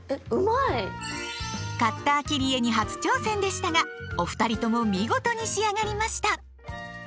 カッター切り絵に初挑戦でしたがお二人とも見事に仕上がりました。